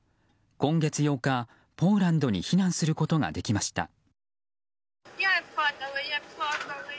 今月８日、ポーランドに避難することができました。